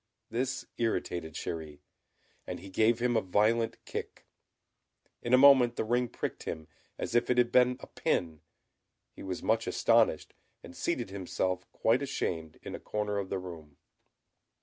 This irritated Chéri, and he gave him a violent kick. In a moment the ring pricked him, as if it had been a pin; he was much astonished, and seated himself, quite ashamed, in a corner of the room.